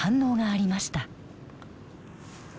ありました。